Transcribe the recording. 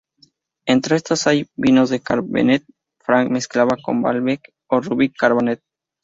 Entre estos hay vinos de cabernet franc mezclada con malbec o ruby cabernet.